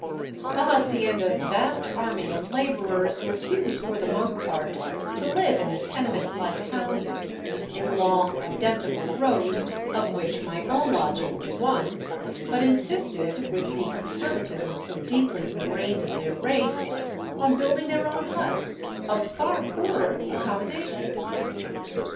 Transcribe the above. The hacienda's vast army of laborers refuse for the most part to live in the tenement like houses, in long, identical rows, of which my own lodging was one, but insisted, with the conservatism so deeply engrained in their race, on building their own huts, of far poorer accommodations.